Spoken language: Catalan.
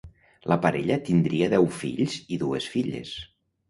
La parella tindria deu fills i dues filles.